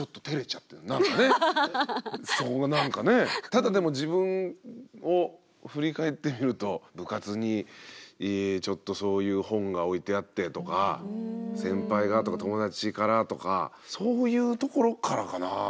ただでも自分を振り返ってみると部活にちょっとそういう本が置いてあってとか先輩がとか友達からとかそういうところからかな？